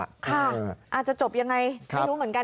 อาจจะจบยังไงไม่รู้เหมือนกัน